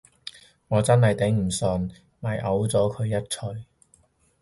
我真係頂唔緊，咪摳咗佢一鎚